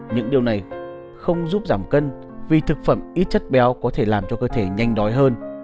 những điều này không giúp giảm cân vì thực phẩm ít chất béo có thể làm cho cơ thể nhanh đói hơn